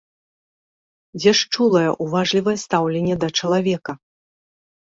Дзе ж чулае, уважлівае стаўленне да чалавека?